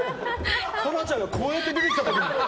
香菜ちゃんがこうやって出てきた土岐に。